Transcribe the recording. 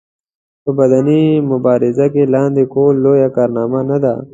په بدني مبارزه کې لاندې کول لويه کارنامه نه ده.